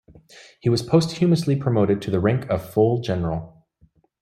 He was posthumously promoted to the rank of full general.